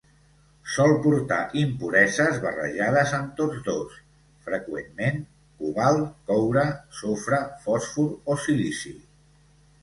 Sol portar impureses barrejades amb tots dos, freqüentment: cobalt, coure, sofre, fòsfor o silici.